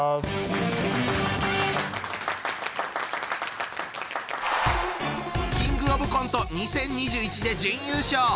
キングオブコント２０２１で準優勝。